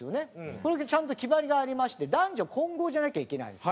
これがちゃんと決まりがありまして男女混合じゃなきゃいけないんです。